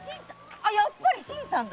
あやっぱり新さんだ！